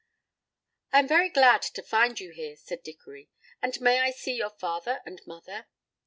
"I am very glad to find you here," said Dickory, "and may I see your father and mother?"